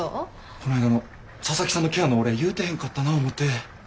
こないだの佐々木さんのケアのお礼言うてへんかったなぁ思て。